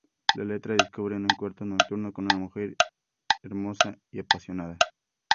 La letra describe un encuentro nocturno con una hermosa y apasionada mujer.